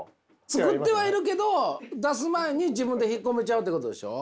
作ってはいるけど出す前に自分で引っ込めちゃうっていうことでしょ？